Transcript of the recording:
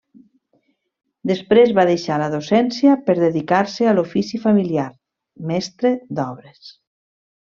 Després va deixar la docència per dedicar-se a l'ofici familiar: mestre d'obres.